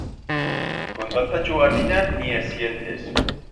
Con tanta chugardina ni es sientes.